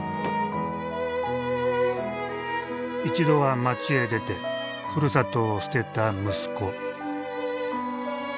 一度は町へ出てふるさとを捨てた息子。